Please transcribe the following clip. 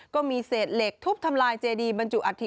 ก็มีเศษเหล็กทุบทำลายเจดีบรรจุอัฐิ